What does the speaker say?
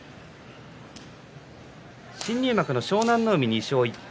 新入幕の湘南乃海、２勝１敗